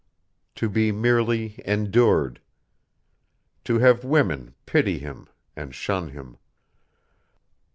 To be merely endured. To have women pity him and shun him.